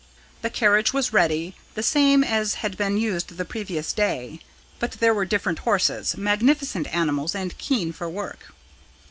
The carriage was ready, the same as had been used the previous day, but there were different horses magnificent animals, and keen for work.